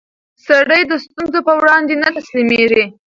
سړی د ستونزو پر وړاندې نه تسلیمېږي